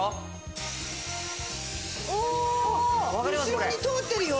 後ろに通ってるよ！